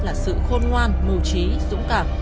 là sự khôn ngoan mù trí dũng cảm